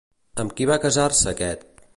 Amb qui va casar-se aquest?